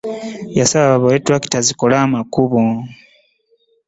Yasaba babawe tulakita zikole amakubo.